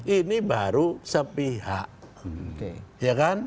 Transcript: ini baru sepihak